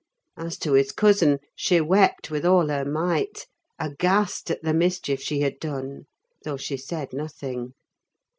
As to his cousin, she wept with all her might, aghast at the mischief she had done: though she said nothing.